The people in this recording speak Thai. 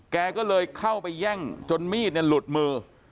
แกก็เลยเข้าไปแย่งจนมีดหลุดมือ